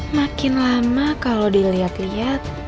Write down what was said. makin lama kalau dilihat lihat